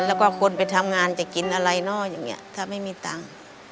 แล้วก็คนไปทำงานจะกินอะไรเนาะอย่างนี้ถ้าไม่มีตังค์